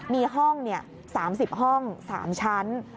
มีห้อง๓๐ห้อง๓ชั้น